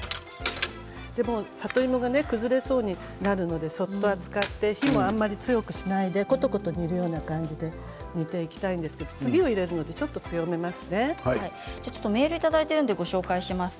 里芋が崩れそうになるのでそっと扱って火もあまり強くしないでことこと煮るような感じで煮ていきたいんですけど次を入れるのでメールをご紹介します。